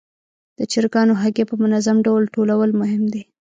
د چرګانو هګۍ په منظم ډول ټولول مهم دي.